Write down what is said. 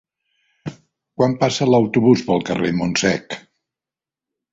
Quan passa l'autobús pel carrer Montsec?